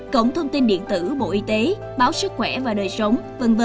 cổng thông tin điện tử bộ y tế báo sức khỏe và đời sống v v